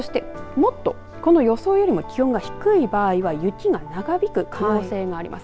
もっと予想よりも気温が低い場合は雪が長引く可能性があります。